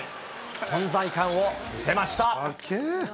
存在感を見せました。